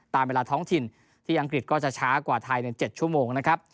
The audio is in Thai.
ตามเวลาท้องถิ่นที่อังกฤษก็จะช้ากว่าไทยใน๗ชั่วโมงนะครับ